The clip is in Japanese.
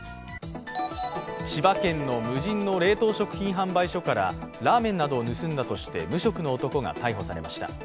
千葉県の無人の冷凍食品販売所からラーメンなどを盗んだとして無職の男が逮捕されました。